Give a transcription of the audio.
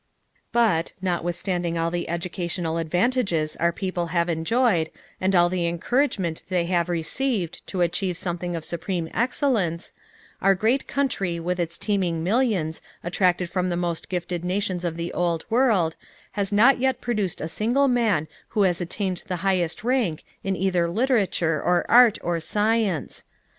But, notwithstanding all the educational advantages our people have enjoyed and all the encouragement they have received to achieve something of supreme excellence, our great country with its teeming millions attracted from the most gifted nations of the Old World has not yet produced a single man who has attained the highest rank in either literature or art or science.